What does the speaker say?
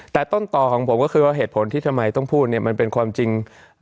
แต่ต้นต่อของผมก็คือว่าเหตุผลที่ทำไมต้องพูดมันเป็นความจริง